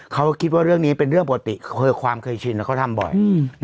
เขาคิดว่าเรื่องนี้เป็นเรื่องปกติคือความเคยชินเขาทำบ่อย